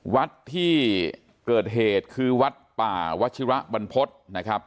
วัดที่เกิดเหตุคือวัดป่าวัชิระบรรพฤษนะครับ